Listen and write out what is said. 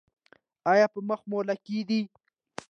ایا په مخ مو لکې دي؟